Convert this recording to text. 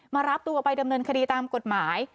มารับตัวไปดำเนินคดีตามกฎหมาย